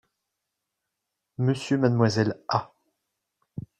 Monsieur Mademoiselle A.